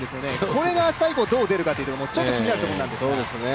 これが明日以降どう出るか気になるところですが。